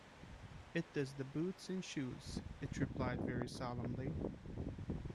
‘It does the boots and shoes,’ it replied very solemnly.